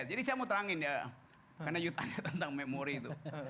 jadi saya mau terangin ya karena yuk tanya tentang memori itu